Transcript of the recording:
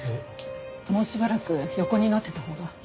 もうしばらく横になってたほうが。